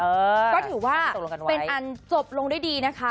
ก็ถือว่าเป็นอันจบลงด้วยดีนะคะ